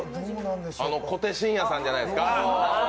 小手伸也さんじゃないですか？